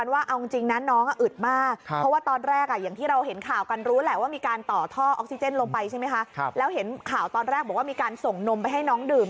แล้วเห็นข่าวตอนแรกบอกว่ามีการส่งนมไปให้น้องดื่ม